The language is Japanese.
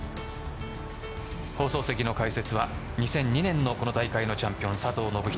放送席の解説は２００２年のこの大会のチャンピオン佐藤信人